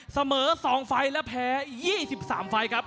เสมอ๒ไฟล์และแพ้๒๓ไฟล์ครับ